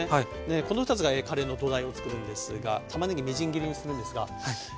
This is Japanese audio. この２つがカレーの土台をつくるんですがたまねぎみじん切りにするんですが。